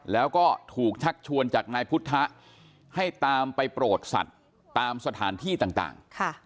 แล้วก็ถูกชักชวนจากนายพุทธะให้ตามไปโปรดสัตว์ตามสถานที่ต่าง